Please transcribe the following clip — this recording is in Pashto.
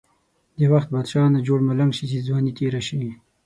د وخت بادشاه نه جوړ ملنګ شی، چی ځوانی تیره شی.